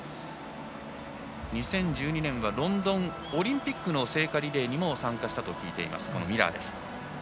２０１２年はロンドンオリンピックの聖火リレーにも参加したと聞いています、ミラー。